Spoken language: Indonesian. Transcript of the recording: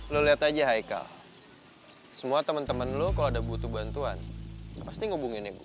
lo liat aja haikal semua temen temen lo kalau ada butuh bantuan pasti ngubunginnya gue